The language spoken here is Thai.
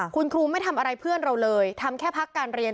คุณครูไม่ทำอะไรเพื่อนเราเลยทำแค่พักการเรียน